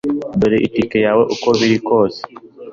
Dore itike yawe uko biri kose